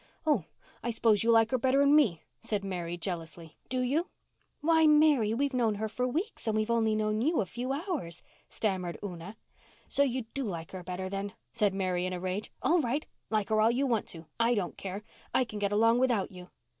"Oh, I s'pose you like her better'n me?" said Mary jealously. "Do you?" "Why, Mary—we've known her for weeks and we've only known you a few hours," stammered Una. "So you do like her better then?" said Mary in a rage. "All right! Like her all you want to. I don't care. I can get along without you."